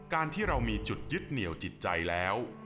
การที่เรามีจุดยึดเหนี่ยวจิตใจแล้ว